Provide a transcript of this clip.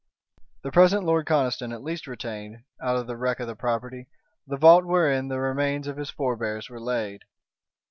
The present Lord Conniston at least retained, out of the wreck of the property, the vault wherein the remains of his forebears were laid.